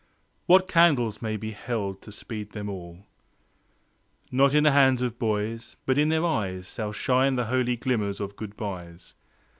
What candles may be held to speed them all? Not in the hands of boys, but in their eyes Shall shine the holy glimmers of goodbyes.